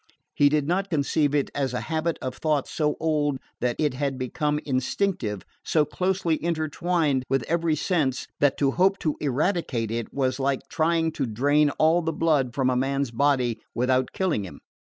He did not conceive it as a habit of thought so old that it had become instinctive, so closely intertwined with every sense that to hope to eradicate it was like trying to drain all the blood from a man's body without killing him.